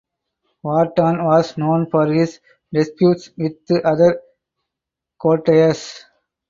Wharton was known for his disputes with other courtiers.